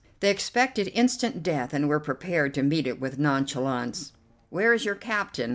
They expected instant death and were prepared to meet it with nonchalance. "Where is your captain?"